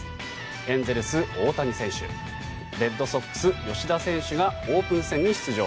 エンゼルス、大谷選手レッドソックス、吉田選手がオープン戦に出場。